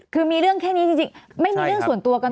คือมีเรื่องแค่นี้จริงไม่มีเรื่องส่วนตัวกัน